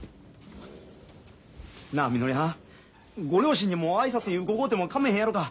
なあみのりはんご両親にも挨拶に伺うてもかめへんやろか？